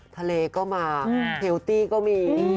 ทะเลก็มาเทลตี้ก็มี